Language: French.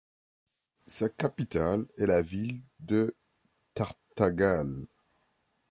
Sa capitale est la ville de Tartagal.